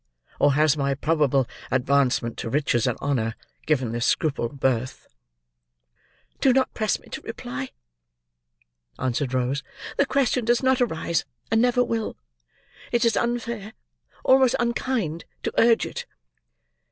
Or has my probable advancement to riches and honour, given this scruple birth?" "Do not press me to reply," answered Rose. "The question does not arise, and never will. It is unfair, almost unkind, to urge it."